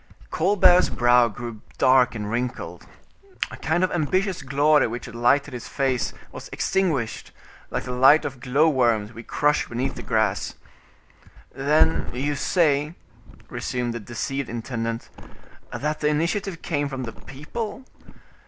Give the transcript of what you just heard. Colbert's brow grew dark and wrinkled. A kind of ambitious glory which had lighted his face was extinguished, like the light of glow worms we crush beneath the grass. "Then you say," resumed the deceived intendant, "that the initiative came from the people?